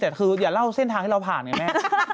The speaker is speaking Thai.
แต่คืออย่าเล่าเส้นทางที่เราผ่านไงแม่